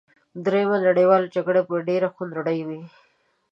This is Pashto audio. دریمه نړیواله جګړه به ډېره خونړۍ وي